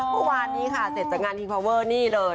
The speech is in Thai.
เมื่อวานนี้ค่ะเสร็จจากงานฮีพาวเวอร์นี่เลย